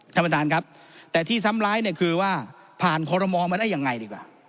ท่านประธานครับแต่ที่ซ้ำร้ายคือว่าผ่านคอลโรมอมันเอาอย่างไรดีกว่า